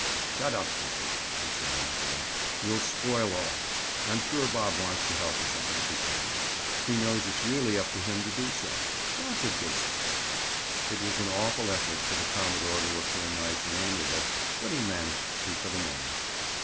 "Shut up, Dickie," he said angrily. "You'll spoil all. I'm sure Bob wants to help us out, if he can. He knows it's really up to him, to do so. Bob's a good sport." It was an awful effort for the commodore to appear nice and amiable, but he managed to, for the moment.